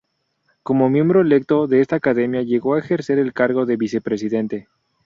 Como miembro electo de esa academia, llegó a ejercer el cargo de vicepresidente.